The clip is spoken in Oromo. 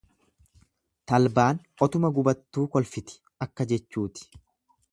Talbaan otuma gubattuu kolfiti akka jechuuti.